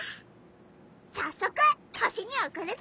さっそく星におくるぞ！